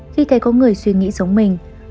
khi thấy có người suy nghĩ giống mình